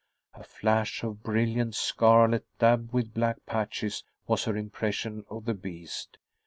A flash of brilliant scarlet, dabbed with black patches, was her impression of the beast.